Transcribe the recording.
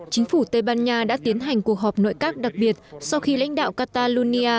chính phủ tây ban nha đã tiến hành cuộc họp nội các đặc biệt sau khi lãnh đạo catalonia